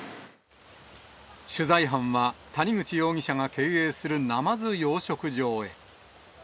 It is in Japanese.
取材班は谷口容疑者が経営するナマズ養殖場へ。